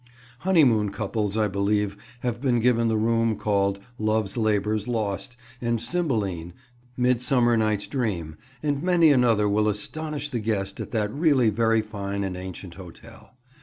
Honeymoon couples, I believe, have been given the room called Love's Labour's Lost, and Cymbeline, Midsummer Night's Dream and many another will astonish the guest at that really very fine and ancient hotel.